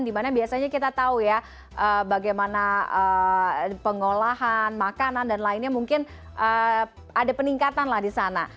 dimana biasanya kita tahu ya bagaimana pengolahan makanan dan lainnya mungkin ada peningkatan lah di sana